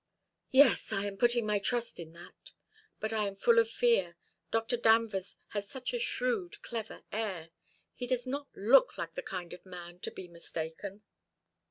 "Yes, I am putting my trust in that. But I am full of fear. Dr. Danvers has such a shrewd clever air. He does not look the kind of man to be mistaken."